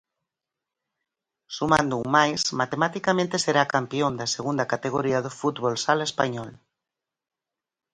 Sumando un máis, matematicamente será campión da segunda categoría do fútbol sala español.